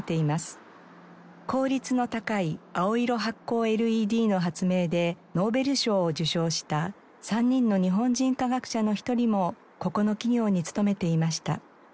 効率の高い青色発光ＬＥＤの発明でノーベル賞を受賞した３人の日本人科学者の１人もここの企業に勤めていました。